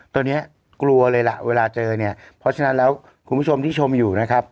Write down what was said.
ตอนนี้กลัวเลยล่ะเวลาเจอเนี่ยเพราะฉะนั้นแล้วคุณผู้ชมที่ชมอยู่นะครับ